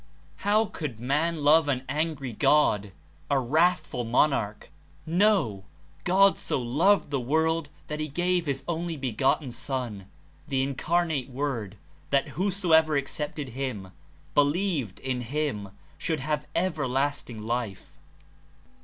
How could man love an angry God, a wrathful monarch? No ! God so ^^^^°^^ loved the world that he gave his only begotten Son, the Incarnate Word, that whosoever accepted him — "believed in him" — should have ever lasting life.